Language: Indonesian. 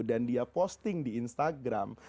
dan dia posting di instagram